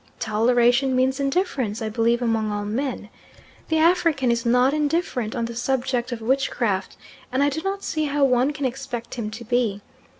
Toleration means indifference, I believe, among all men. The African is not indifferent on the subject of witchcraft, and I do not see how one can expect him to be.